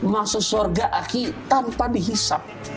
masuk surga aki tanpa dihisap